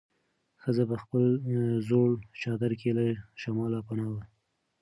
ښځه په خپل زوړ چادر کې له شماله پناه وه.